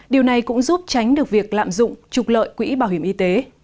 điều này cũng giúp tránh được việc lạm dụng trục lợi quỹ bảo hiểm y tế